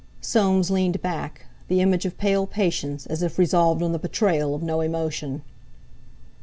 Soames leaned back, the image of pale patience, as if resolved on the betrayal of no emotion.